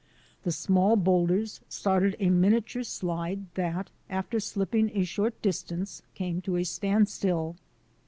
The small boulders started a miniature slide that after slipping a short distance came to a standstill.